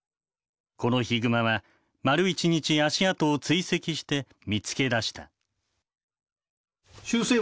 このヒグマは丸一日足跡を追跡して見つけ出した。